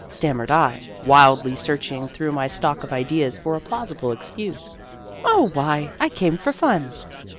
stam mered I, wildly searching through my stock of ideas for a plausible excuse. " Oh, why, I came for fun."